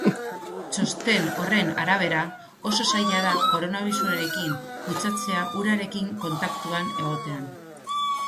Txosten horren arabera, oso zaila da koronabirusarekin kutsatzea urarekin kontaktuan egotean.